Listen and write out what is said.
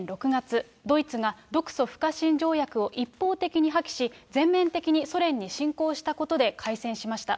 １９４１年６月、ドイツが独ソ不可侵条約を一方的に破棄し、全面的にソ連に侵攻したことで開戦しました。